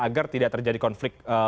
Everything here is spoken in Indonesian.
agar tidak terjadi konflik